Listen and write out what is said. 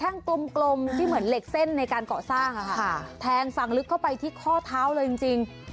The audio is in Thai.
ในการเกาะสร้างค่ะแทงสั่งลึกเข้าไปที่ข้อเท้าเลยจริง